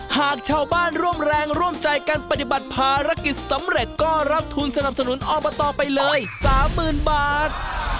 หากชาวบ้านร่วมแรงร่วมใจกันปฏิบัติภารกิจสำเร็จก็รับทุนสนับสนุนอบตไปเลย๓๐๐๐บาท